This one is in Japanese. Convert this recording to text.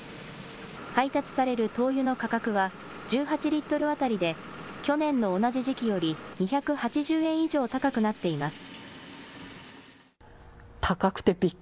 配達される灯油の価格は１８リットル当たりで去年の同じ時期より２８０円以上高くなっています。